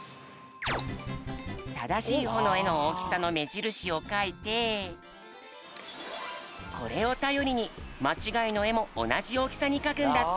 ただしいほうのえのおおきさのめじるしをかいてこれをたよりにまちがいのえもおなじおおきさにかくんだって。